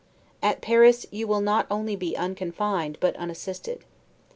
At Paris, you will not only be unconfined, but unassisted.